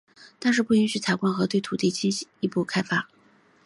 但是不允许采矿和对土地的进一步开发。